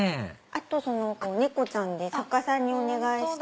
あと猫ちゃんで作家さんにお願いして。